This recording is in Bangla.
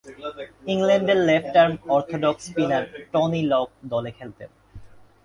ইংল্যান্ডের left arm orthodox spinner Tony Lock দলে খেলতেন।